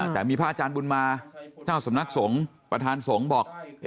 แต่มีพระอาจารย์บุญมาเจ้าสำนักสงฆ์ประธานสงฆ์บอก